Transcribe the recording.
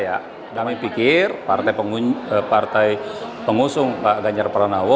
partai ya damai pikir partai pengusung pak ganjar pranowo